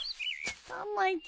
たまちゃん。